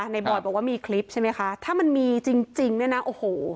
บอยบอกว่ามีคลิปใช่ไหมคะถ้ามันมีจริงเนี่ยนะโอ้โห